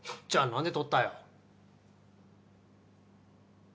じゃあ何でとったよ？